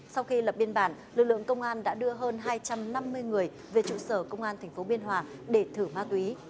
sau khi lập biên bản lực lượng công an đã đưa hơn hai trăm năm mươi người về trụ sở công an tp biên hòa để thử ma túy